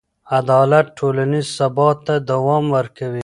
عدالت ټولنیز ثبات ته دوام ورکوي.